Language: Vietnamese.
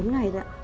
bốn ngày rồi ạ